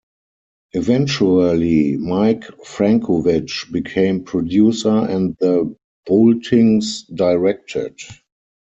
Eventually Mike Frankovich became producer and the Boultings directed.